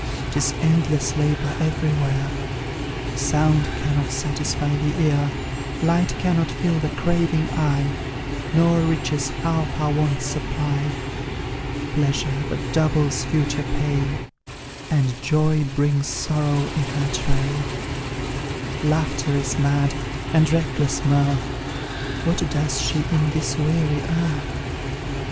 'Tis endless labour everywhere! Sound cannot satisfy the ear, Light cannot fill the craving eye, Nor riches half our wants supply, Pleasure but doubles future pain, And joy brings sorrow in her train; Laughter is mad, and reckless mirth What does she in this weary earth?